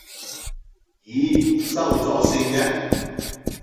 咦，收咗線嘅？